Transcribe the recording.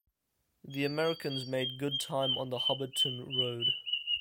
The Americans made good time on the Hubbardton road.